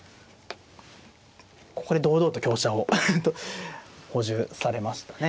ここで堂々と香車を補充されましたね。